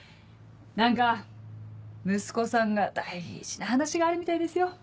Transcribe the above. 何か息子さんが大事な話があるみたいですよ。